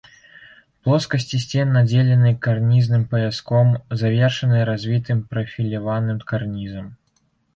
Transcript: Плоскасці сцен надзелены карнізным паяском, завершаны развітым прафіляваным карнізам.